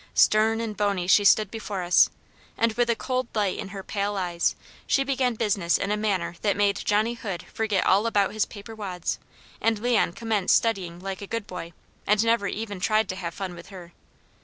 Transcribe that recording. Stern and bony she stood before us, and with a cold light in her pale eyes, she began business in a manner that made Johnny Hood forget all about his paper wads, and Leon commenced studying like a good boy, and never even tried to have fun with her.